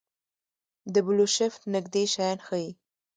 د بلوشفټ نږدې شیان ښيي.